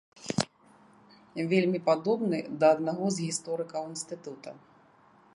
Вельмі падобны да аднаго з гісторыкаў інстытута.